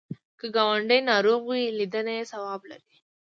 که ګاونډی ناروغ وي، لیدنه یې ثواب لري